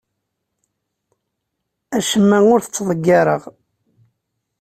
Acemma ur t-ttḍeggireɣ.